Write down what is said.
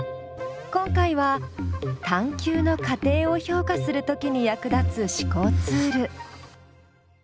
今回は探究の過程を評価するときに役立つ思考ツール。